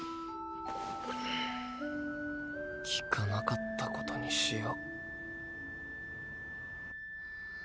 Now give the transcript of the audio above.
聞かなかったことにしよう。